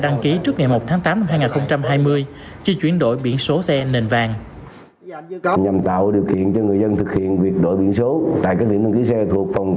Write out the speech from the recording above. đăng ký trước ngày một tháng tám năm hai nghìn hai mươi chưa chuyển đổi biển số xe nền vàng